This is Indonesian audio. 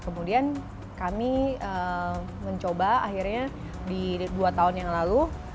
kemudian kami mencoba akhirnya di dua tahun yang lalu